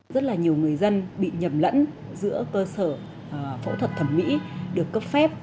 rất là nhiều người dân bị nhầm lẫn giữa cơ sở phẫu thuật thẩm mỹ được cấp phép